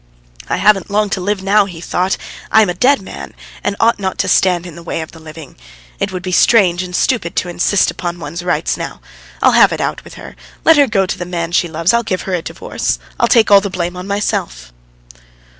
... "I haven't long to live now," he thought. "I am a dead man, and ought not to stand in the way of the living. It would be strange and stupid to insist upon one's rights now. I'll have it out with her; let her go to the man she loves. ... I'll give her a divorce. I'll take the blame on myself."